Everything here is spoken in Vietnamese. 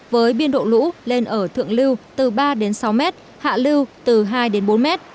với biên độ lũ lên ở thượng lưu từ ba sáu m hạ lưu từ hai bốn m